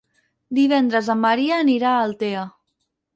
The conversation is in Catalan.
Divendres en Maria anirà a Altea.